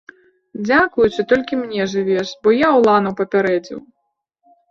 Дзякуючы толькі мне жывеш, бо я уланаў папярэдзіў!